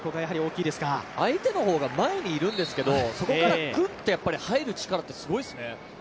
相手の方が前にいるんですけどそこからグッと入る力ってすごいですね。